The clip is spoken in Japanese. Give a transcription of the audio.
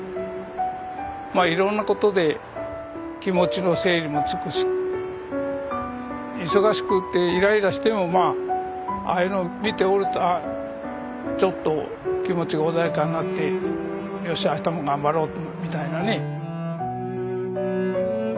まあいろんなことで気持ちの整理もつくし忙しくってイライラしてもまあああいうのを見ておるとちょっと気持ちが穏やかになってよしあしたも頑張ろうみたいなね。